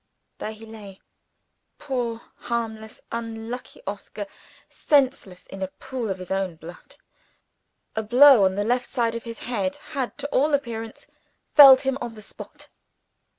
There he lay poor harmless, unlucky Oscar senseless, in a pool of his own blood. A blow on the left side of his head had, to all appearance, felled him on the spot.